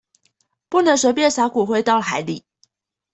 不能隨便灑骨灰到海裡